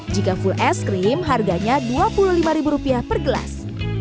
jika full es krim harganya rp dua puluh lima per gelas